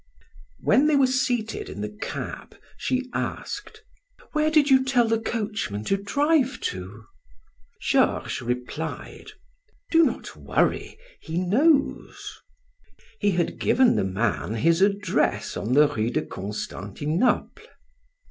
When they were seated in the cab, she asked: "Where did you tell the coachman to drive to?" Georges replied: "Do not worry; he knows." He had given the man his address on the Rue de Constantinople.